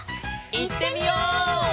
いってみよう！